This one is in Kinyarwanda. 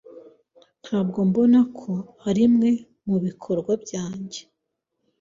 Ntabwo mbona ko arimwe mubikorwa byanjye